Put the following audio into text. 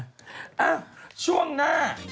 เอ้าช่วงหน้า